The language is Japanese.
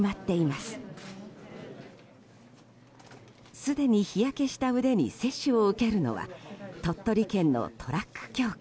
すでに日焼けした腕に接種を受けるのは鳥取県のトラック協会。